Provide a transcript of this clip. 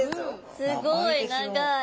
すごい長い。